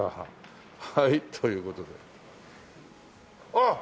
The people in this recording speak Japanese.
あっ！